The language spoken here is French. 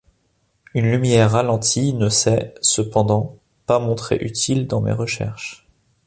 Une lumière ralentie ne s'est, cependant, pas montrée utile dans mes recherches.